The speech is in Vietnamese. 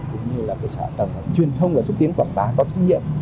cũng như là cơ sở hóa tầng truyền thông và xuất tiến quảng bá có trách nhiệm